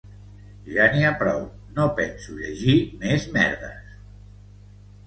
Ja n'hi ha prou, no penso llegir més merdes.